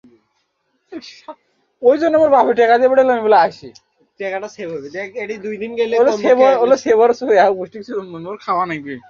এই ডাটা নিয়ে কাজ করতে আমায় সারা রাত জেগে থাকতে হবে।